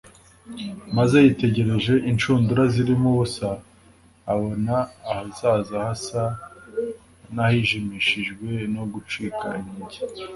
maze yitegereje inshundura zirimo ubusa abona ahazaza hasa n’ahijimishijwe no gucika intege